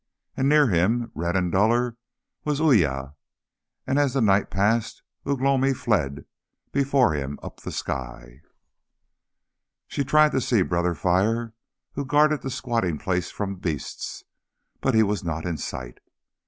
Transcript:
And near him, red and duller, was Uya, and as the night passed Ugh lomi fled before him up the sky. She tried to see Brother Fire, who guarded the squatting place from beasts, but he was not in sight.